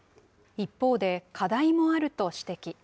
一方で、課題もあると指摘。